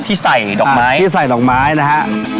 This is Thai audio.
ที่ใส่ดอกไม้ที่ใส่ดอกไม้นะฮะ